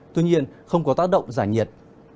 tuy nhiên không có tác động giả nhiệt